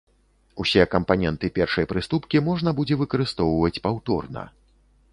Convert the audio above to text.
Усе кампаненты першай прыступкі можна будзе выкарыстоўваць паўторна.